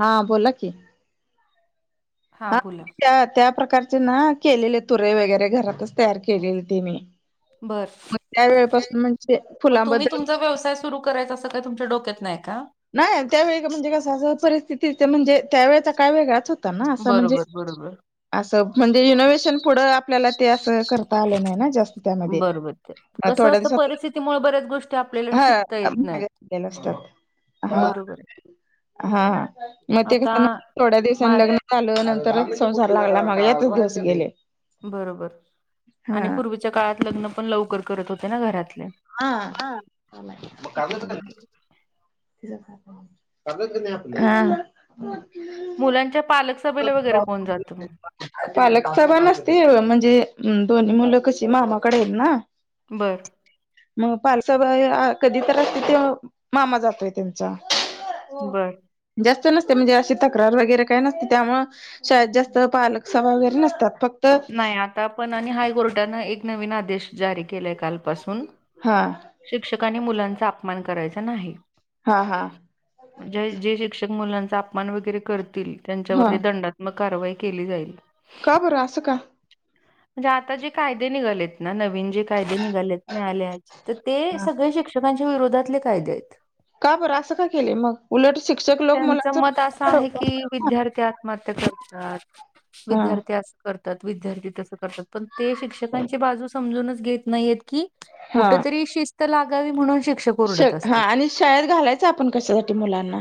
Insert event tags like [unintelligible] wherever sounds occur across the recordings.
हा बोला की. हा त्या त्या प्रकार ते ना केलेले तुरे वगैरे घरातच तयार केले होते मी. बर मग त्यावेेळेपासून म्हणजे मग तुम्ही फुलांबद्दल तुमचा व्यवसाय सुरू करायचं अस काय तुमच्या डोक्यात नाही का? नाही त्यावेळी म्हणजे कसं परिस्थिती म्हणजे त्यावेळेचा काय वेगळाच हो बरोबर बरोबर असं म्हणजे इनोव्हेशन पुढं आपल्याला, ते अस करता आलं नाही ना जास्त त्यामध्ये बरोबर ते कसं थोड असतं परिस्थितीमुळे बऱ्याच गोष्टी आपल्याला हा शिकता येत नाहीत. मागे गलेला असतात. हा बरोबर आहे. हा मग ते आता कस थोड्या मा दिवसांनी लग्न आल नंतरच संसार लागला मग यातच दिस गेले. बरोबर आणि हा पूर्वीच्या काळात लग्न पण लवकर करत होते ना घरातले हा ल्या मुलांच्या पालक सभेला वगैरे कोण जातंग पालक सभा नसते म्हणजे दोन्ही मुलं कशी मामाकडे येत नं बरं मग पालसाबा कधी तर असतेथ मामा जातोय त्यांचा बर जास्त नसते म्हणजे अशी तक्रार वगैरे काय नसते. त्यामुळं शाळेत जास्त पालक सभा वगैरे नसतात. फक्त नाही आता पण आणि हायकोर्टानं एक नवीन आदेश जारी केलाय कालपासून हा शिक्षकांनी मुलांचा अपमान करायचा नाही. हा हा जे शिक्षक मुलांचा अपमान वगैरे करतील, हा त्यांच्यावरती दंडात मग कारवाई केली जाईल. का बर अस का? म्हणजे आता जे कायदे निघालेत ना नवीन जे कायदे निघालेत न्यायालयाचे तर ते सगळे शिक्षण शिक्षकांच्या विरोधातले कायदे आहेत. का बरं असं काय केलं? मग उलट शिक्षक लोक त्यांचं मुला मत असं आहे की [unintelligible] विद्यार्थी आत्महत्या करतात. हा विद्यार्थी अस करतात. विद्यार्थी -तात. पण ते शिक्षकांची बाजू समजूनच घेत नाहीयेत की, हा कुठ तरी शि - शिस्त लागावी म्हणून, शिक्षक श ओरडत हा असतात. आणि शाळेत घालायच आपण कशासाठी मुलांना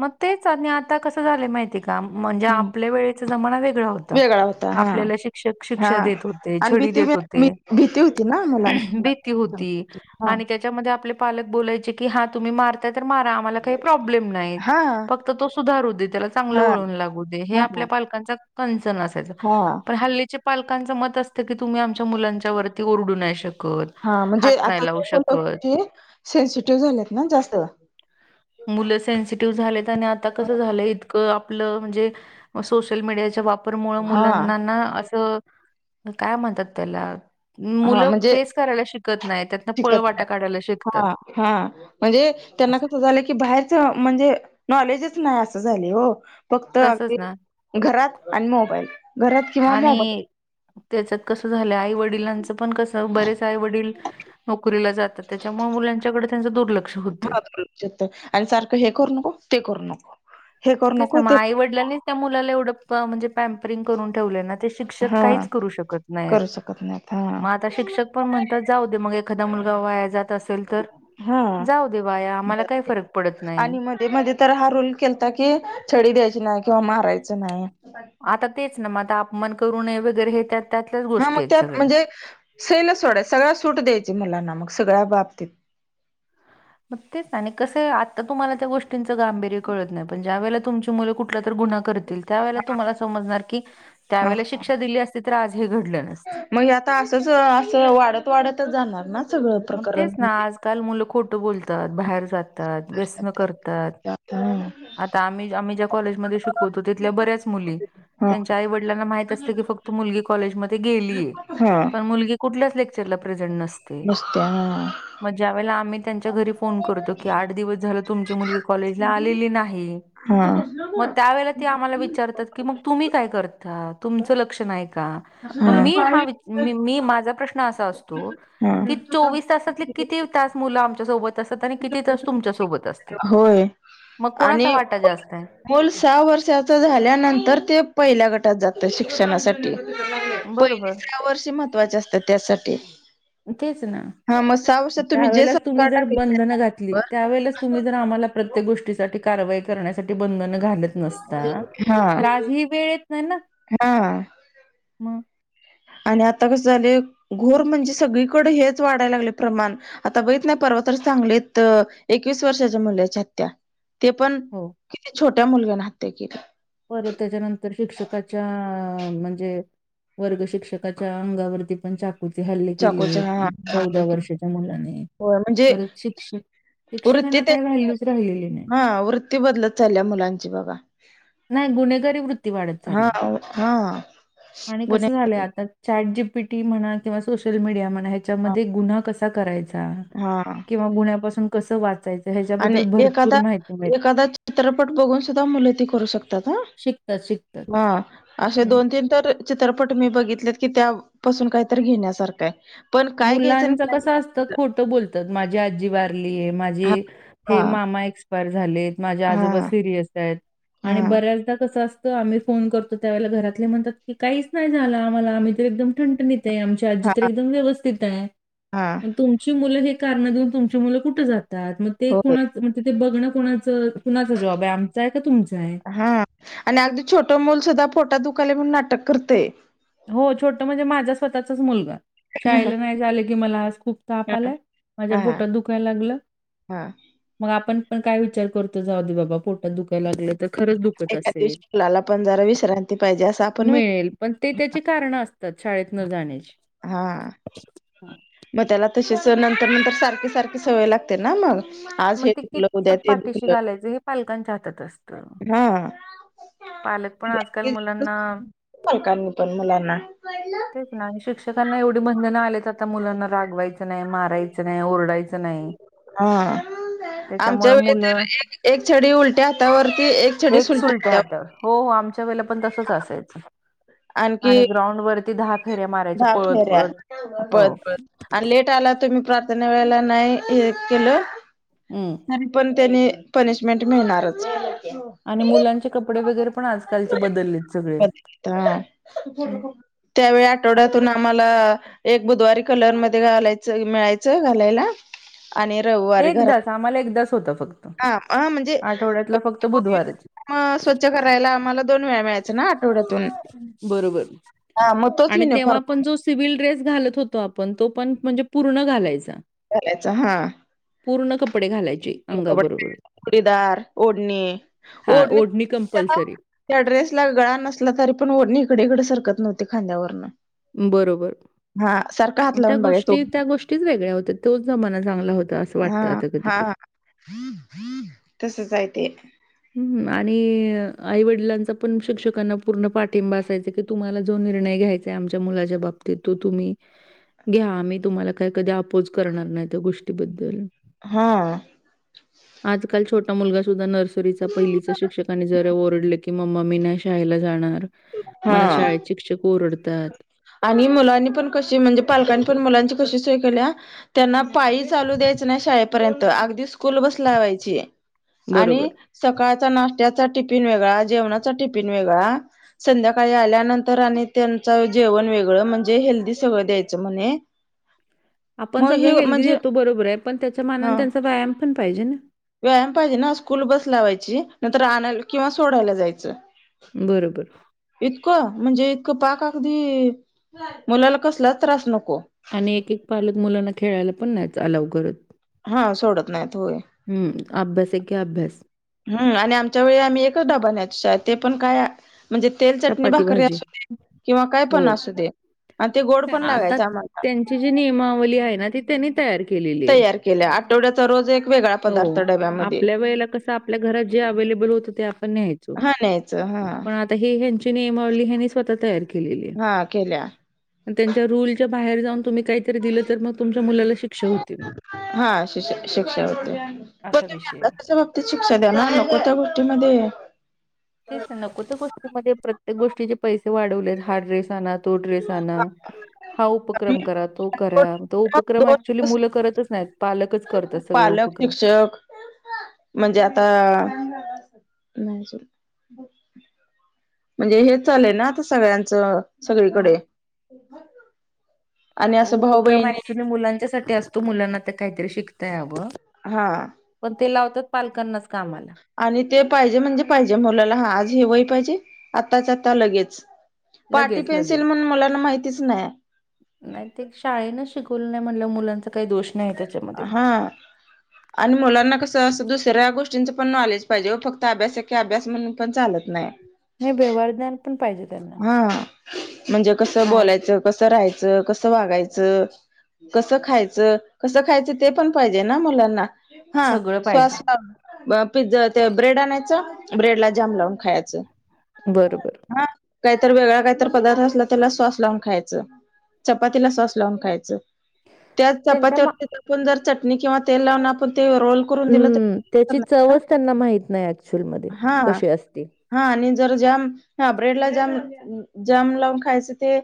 मग तेच आणि आता कसं झालय माहिती का? म्हणजे ह आपल्या वेळेचा जमाना वेगळा होता. वेगळा होता हा आपल्याला शिक्षक हा शिक्षा देत होते. आणि छडी भीती देत मी होते. भीती होती ना मुलांना ब हा आणि त्याच्यामध्ये आपले पालक बोलायचे की, हा तुम्ही मा तर मारा आम्हाला काही प्रॉब्लेम नाही. हा फक्त तो सुधारू दे. त्याला चांगलं हा वळन लागू दे. हे हा आपल्या पालकांचा कन्सर्न असायचा. हा पण हल्लीचे पालकांचं मत असते की, तुम्ही आमच्या मुलांच्या च्या वती ओरडू नाही शकत. हा म्हणजे हात आता नाही लावू ते मुलं शकत. कशी सेन्सिटिव्ह झालेत ना जास्त मुलं सेनसिटिव्ह झालेत. आणि आता कस झालंय? इतकं ण म्हणजे सोसियल मिडियाच्या, हा असं काय म्हणतात? त्याला हा मुलं म्हणजे फेस करायला शिकत नाही. त्यातन पळ शिकत नाही वाटा काढायला शिक हा हा म्हणजे त्यांना कसं झालं की, बाहेर म्हणजे नॉलेजच नाही असं झाले. हो फक्त तसच ना घरात आणि मोबाईल घरात किंवा मोबाईल आणि त्याच कस झालं? वडिलांचं पण कसं बरेच आई-वडील नोकरीला जातात. त्याच्यामुळे मुंच्याकडे त्यांच दुर्लक्ष होते. हा आणि सारखं हे करू नको ते करू नको, हे करू तेच ना नको मग ते आई वडलांनी त्या मुलाला एवढं प म्हणजे. पयापरीग करून ठेवलं ना ते शिक्षक हा काहीच करू शकत नाही करू शकत नाहीत हा मा आ आता शिक्षक पण म्हणतात जाऊ दे मग एखादा मुलगा वाया जात असेल तर. हा जाऊ दे वाया आम्हाला काही फरक पडत नाही. ते मध्ये तर हा रूल केलता की छडी द्यायची नाही किंवा मारायच नाही. आता तेच ना म अपमान करू नये वगैरे हे त्यात. हा मग त्यात म्हणजे सैल सोडय सगळ्या सूट द्यायची मुलाना मग सगळ्या बाबतीत. मग तेच आणि कस आता तुम्हाला त्या गोष्टीचं गांभीर्य कळत नाही पण ज्या वेळेला तुमची. मला कुठला तर गुन्हा करतील त्यावेळेला तुम्हाला समजणार की त्या हा वेळेला शिक्ष. दिली असती तर आज हे घडलं नसत. मग आता असंच असं वाढत वाढतच जाणार ना. सगळं मग प्रकरण तेच ना आजकाल मुलं खोट बोलतात बाहेर जातात व्यसन करतात. हा हा आता आम्ही ज्या आम्ही ज्या कॉलेजमध्ये शिकवतो तिथल्या बऱ्याच मुली. त्यांच्या आई वडलांना माहित असते की फक्त मुलगी कॉलेजमध्ये गेली हा पण मुलगी. कुठल्या लेकचरला प्रेझेंट नस नुसत्या हा. मग ज्या वेळेला आम्ही त्यांच्या घरी फोन करतो की आठ दिवस झालं तुमची मुलगी कॉलेजला आलेली नाही. हा. त्या वेेळेला ते आम्हाला विचारतात की मग तुम्ही काय करता तुमचं लक्ष नाही का. मग मी हा मी माझा प्रश्न असा असतो. हा कि चोवीस तासातले किती तास मुलं आमच्यासोबत असतात आणि किती तास तुमच्यासोबत असत. असतात होय मग कोणाचा वाटा जास्त आहे, मुल सहा वर्षाच झाल्यानंतर ते पहिल्या गटात जातं शिक्षणासाठी. पहिली बरोबर साहा वर्षी महत्वाचे असतात त्यासाठी. तेच ना. हा मग सहा वर्षात तुम्ही जे त्यावेळेलाच तुम्ही संस्कार जर टाकले बंधन घातली त्याच्यावर त्यावेळेलाच तुम्ही जर आम्हाला प्रतिसा. त्या गोष्टीसाठी कारवाई करण्यासाठी बंधन. घालत नसता हा तर आजही वेळ येत नाही ना हा मग. आणि आता कसं झाले घोर म्हणजे सगळीकडे हेच वाढाय लागले प्रमाण. आता बघित ना परवा तर सांगलीत एकवीस वर्षाच्या मुलाची हत्या. ते पण हो. किती छोट्या मुलग्यानी हत्या केली. परत त्याच्यानंतर शिक्षकाच्या म्हणजे. वर्ग शिक्षकाच्या अंगावरती पण चाकू. किती हल्ले चाकूच्या हा केलेत हा चौदा वर्षाच्या मुलाने होय म्हणजे परत शिक्षक. वृत्ती शिक्षकांना काय व्हॅल्यूच राहिलेली नाही. किती बदलत चाललीया मुलांची बघा. नाही गुन्हेगारी वृत्ती वाढत हा चाललीया हा आणि कस झालंय गुन्हेगारी आता. चॅट जीपीटी म्हणा किंवा सोशल मीडिया म्हणा. ह्याच्या हा मध्ये गुन्हा कसा करायचा हा किंवा गुन्हपासून कस वाचायच. आणि ह्याच्याबद्दल भरपूर एखादा माहिती मिळते. एखादा चित्रपट बघून सुद्धा मुलं ते करू शकतात शिकतात शिकतात ह असे हम्म दोन तीन. तर चित्रपट मी बघितले की त्यापासून काहीत घेण्यासारख आहे. पण काय घ्यायचं आणि काय नाय. त खोटं बोलतात माझी आजी वारली आहे माझी हा हे हा मामा. पायर झालेत माझे आजोबा हा सिरियस आहेत आणि हा बऱ्याचदा कसं असत. आम्ही फोन करतो त्यावेळेला घरातले म्हणतात की काहीच नाही झालं आम्हाला आम्ही तर एकदम. ठणठणीत आमची आजी हा तर एकदम व्यवस्थित आहे. हा तुमची मुलं हे कारण देऊन तुमची मुलं कुठे जातात मग ते होय कुणा म्हण ते बघणं कोणाचं कुणाच जॉब आहे आमचं आहे का तुमचं आहे. हा आणि अगदी छोटं मुल सुद्धा पोटात दुखालय म्हणून नाटक करतंय. हो छोटं म्हणजे माझा स्वतःचाच मुलगा शाळेला नाही झालं की मला आज खूप ताप हा आलाय माझ्या हा पोटात दुखायला लागलं. हा मग आपण पण काय विचार करतो जाऊ दे बाबा पोटात दुखायला लागलं तर खरच दुख एका दिवशी मुलाला पण जरा विश्रांती पाहिजे असं आपण विच कारण असतात शाळेत न जाण्याची हा. [inaudible] मग त्याला तसेच नंतर नंतर सारखी सारखी सवय लागते ना मग. आज मग हे ते दुखलं उद्या कितपत ते पाठीशी दुखलं घालायचं हे पालकांच्या हातात असतं हा. पालक पण आजकाल मुलांना पालकांनी पण मुलांना शिक्षकांना एवढी बंधन आलेत आता आता मुलांना रागवायचं नाही मारायचं नाही ओरडायचं नाही हा आमच्या त्याच्यामुळे वेळेस तर मुलं एक एक छडी उलट्या हातावरती एक छडी सुलट्या हातावर हो आमच्या वेळे ला पण तसच असायच आणि आणखी ग्राउंड वरती दहा फेऱ्या मारायच्या दहा पळत फेऱ्या पळत हो पळत पळत आणि लेट आला तुम्ही प्रा प्रार्थना वेळा नाही केलो. हम्. तरी पण त्यांनी पनिशमेंट मिळणारच. आणि मुलांचे कपडे वगैरे पण आजकालचे बदललेत सगळे. हम्म [unintelligible] त्यावेळी आठवड्यातून आम्हाला एक बुधवारी कलरमध्ये घालायचं मिळायचं घालायला आणि रविवारी घरात एकदाच आम्हाला एकदाच होता फक्त हा हा म्हणजे आठवड्यातला फक्त बुधवारच [inaudible] मग स्वच्छ करायला आम्हाला दोन वेळा मिळायच ना आठवड्यातून. बरोबर हा मग तोच आणि तेव्हा युनिफॉर्म पण जोस सिविल ड्रेस घालत होतो आपण तो पण म्हणजे पूर्ण घालायचा. घालायच हा. पूर्ण कपडे घालायचे. अंगाबरोबर चुडीदार ओढणी हा ओढणी कंपल्सरी त्या ड्रेसला गळा नसला तरी पण वडणी इकडे इकड सरकत नव्हती खांद्यावरन. बरोबर हा सारखा हात लावून बघाय तो. च वेगळ्या होत तोच जमाना चांगला होता. हा वाटतं आता कधी हा कधी तसच आहे ते. आणि आई वडिलांचा पण शिक्षकांना पूर्ण पाठिंबा असायचा की तुम्हाला जो निर्णय घ्यायचाय आमच्या मुलाच्या बाबतीत तो तुम्ही घ्या आम्ही तुम्हाला काय कधी अपोज करणार नाही त्या गोष्टीबद्दल. हा. आजकाल छोटा मुलगा सुुद्धा नर्सरीचा पहिलीच शिक्षकने जरा ओरडले की मम्मा मी नाही शाळेला जाणार मला हा शाळेत शिक्षक ओरडतात. आणि मुलांनी पण कशी म्हणजे पालकांनी पण मुलांची कशी सोय केलिया त्यांना पायी चालू द्यायच नाही शाळेपर्यंत अगदी स्कूल बस लावायची. आणि बरोबर. सकाळचा नाष्ट्त्याचा टिफिन वेगळा जेवणाचा टिफिन वेगळा संध्याकाळी आल्यानंतर आणि जेवण वेगळं म्हणजे हेल्दी सगळं द्यायचं म्हणे. आपण मग सगळं हे हेल्दी म्हणजे देतो बरोबर आहे पण त्याच्या हा मानाने त्यांचा व्यायाम पण पाहिजे ना व्यायाम पाहिजे ना स्कूल बस लावायची नंतर आणायला किंवा सोडायला जायचं बरोबर इतकं म्हणजे इतकं पाक अगदी मुलाला कसलाच त्रास नको. आणि एक एक पालक मुलांना खेळायला पण नाहीच अलाव करत. हा सोडत नाहीत होय हम्म, अभ्यास एके अभ्यास. हम्म आणि आमच्या वेळी आम्ही एकच डाबा न्यायचो शाळेत ते पण काय म्हणजे तेल, चटणी, चपाती भाकरी भाजी. असू दे किंवा काय हो, पण असू दे आणि ते गोड पण लागायच आम्हाला. ती जी नियमावली आहे ना ती त्यांनी तयार केलेलीये तयार केल्या आठवड्याचा रोज एक वेगळा हो पदार्थ डब्यामध्ये आपल्या वेळेला क आपल्या घरात जे अवैलेबल होत ते आपण न्यायचो हा न्यायचं हा पण आता हे ही ह्यांची नियमावली ह्यांनी स्वतः तयार केलेली आहे. हा केल्या त्यांच्या रूलच्या बाहेर जाऊन तुम्ही काहीतरी दिलं तर मग तुमच्या मुलाला शिक्षा होती मग. हा श शिक्षा होते. असा विषय. आहे. [unintelligible] ती शिक्षा द्या ना नको त्या गोष्टीमध्ये तेच नको त्या गोष्टीमध्ये प्रत्येक गोष्टीचे पैसे वाढवले आहेत हा ड्रेस आना तो ड्रेस आना. हा उपक्रम करा तो करा. तो उपक्रम दोन अक्चुअली दिवस मुलं करतच नाहीत पालकच करतात सगळे पालक उपक्रम. शिक्षक म्हणजे आता म्हणजे म्हणजे हे चालय ना आता सगळ्यांचं हं. सगळीकडे आणि तो असं भाऊ उपक्रम बहिणी ऍक्च्युली मुलांच्यासाठी असतो मुलांना ते काहीतरी शिकता यावं. हा. पण ते लावतात पालकांनाच कामाला. आणि ते पाहिजे म्हणजे पाहिजे मुलाला हा आज ही वही पाहिजे आत्ताच आता लगेच. पाटी लगेच पेन्सिल लगेच म्हणून मला ना माहितीच नाही. नाही ते शाळेन शिकवलं नाही म्हणाल्यावर मुलांचा काही दोष नाही त्याच्यामध्ये. हा आणि मुलांना कसं असं दुसऱ्या गोष्टींचं पण नॉलेज पाहिजे वो फक्त अभ्यास एके अभ्यास म्हणून पण चालत नाही. नाही व्यहारज्ञान पण पाहिजे त्यांना. हा म्हणजे कसं बाहेर बोलायचं? कसं राहायचं? कसं वागायचं? कसं खायचं, कसं खायचं ते पण पाहिजे ना मुलांना? हा. सगळं पाहिजे [unintelligible] पिझ्झा ते ब्रेड आणायचा ब्रेड ला जाम लावून खायचं. बरोबर. हा. काहीतर वेगळा काहीतर पदार्थ असला त्याला सॉस लावून खायचं. चपातीला सॉस लाऊन खायचं. त्या त्यांच्या मा चपातीवरती [unintelligible] चटणी किंवा तेल लावून आपण ते रोल करून दिलं तर हम्म त्याची करणार का? चवच त्यांना माहित नाही ऍक्च्युअल मध्ये हा कशी असते. हा आणि जर जॅम [unintelligible] ब्रेड ला जाम जाम लावून खायच ते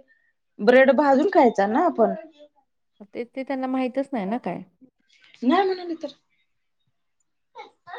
ब्रेड भाजून खायचा ना आपण? [unintelligible] ते ते त्यांना माहितच नाही ना काय. नाही म्हणाली तर.